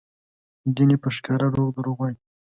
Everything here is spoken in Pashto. ځینې په ښکاره دروغ وایي؛